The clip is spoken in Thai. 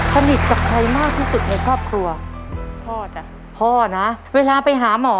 สนิทกับใครมากที่สุดในครอบครัวพ่อจ้ะพ่อนะเวลาไปหาหมอ